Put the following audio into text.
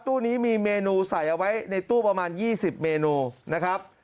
ตู้นี้มีเมนูใส่เอาไว้ในตู้ประมาณ๒๐เมนูนะครับ